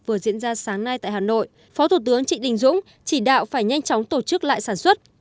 vừa diễn ra sáng nay tại hà nội phó thủ tướng trịnh đình dũng chỉ đạo phải nhanh chóng tổ chức lại sản xuất